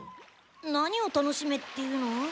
何を楽しめっていうの？